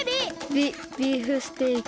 ビビーフステーキ。